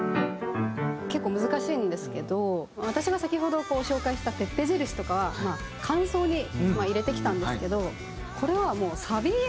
結構難しいんですけど私が先ほど紹介したｐｅｐｐｅ印とかは間奏に入れてきたんですけどこれはもうサビの。